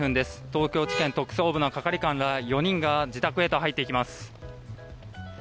東京地検特捜部の係官ら４人が自宅へと入っていきます。